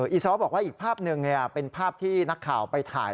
อีซ้อบอกว่าอีกภาพหนึ่งเป็นภาพที่นักข่าวไปถ่าย